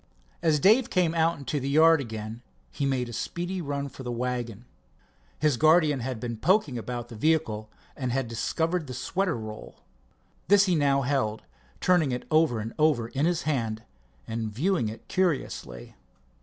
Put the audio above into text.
As Dave came out into the yard again he made a speedy run for the wagon. His guardian had been poking about the vehicle, and had discovered the sweater roll. This he now held, turning it over and over in his hand and viewing it curiously.